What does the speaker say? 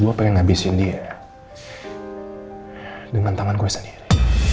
gue pengen ngabisin dia dengan tangan gue sendiri